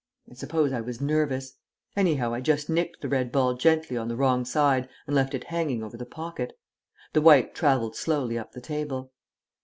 I suppose I was nervous. Anyhow, I just nicked the red ball gently on the wrong side and left it hanging over the pocket. The white travelled slowly up the table.